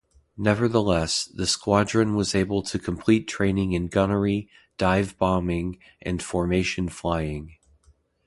Nevertheless, the squadron was able to complete training in gunnery, dive-bombing and formation flying.